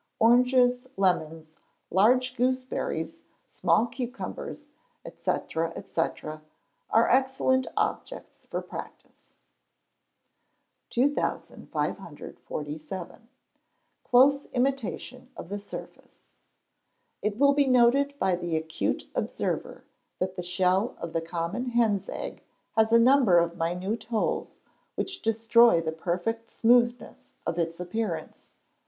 Oranges, lemons, large gooseberries, small cucumbers, &c.,&c., are excellent objects for practice. 2547. Close Imitation of the Surface. It will be noted by the accurate observer that the shell of the common hen's egg has a number of minute holes, which destroy the perfect smoothness of its appearance.